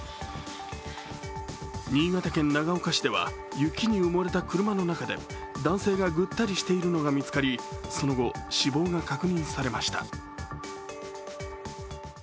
新潟県長岡市では雪に埋もれた車の中で男性がぐったりしているのが見つかり、その後、死亡が確認されました。